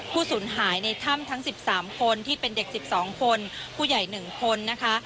ผู้สุนหายในถ้ำทั้งสิบสามคนที่เป็นเด็กสิบสองคนผู้ใหญ่หนึ่งคนนะคะ